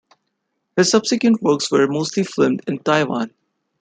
His subsequent works were mostly filmed in Taiwan.